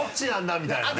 みたいなね。